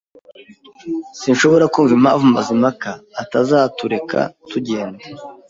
Sinshobora kumva impamvu Mazimpaka atazatureka tugenda.